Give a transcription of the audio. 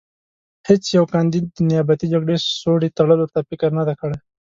هېڅ یوه کاندید د نیابتي جګړې سوړې تړلو ته فکر نه دی کړی.